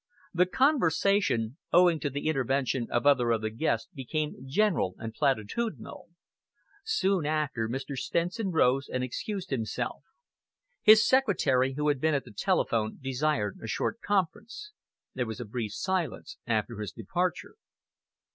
The conversation, owing to the intervention of other of the guests, became general and platitudinal. Soon after, Mr. Stenson rose and excused himself. His secretary; who had been at the telephone, desired a short conference. There was a brief silence after his departure.